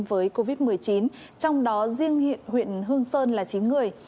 với covid một mươi chín trong đó riêng hiện huyện hương sơn là chín người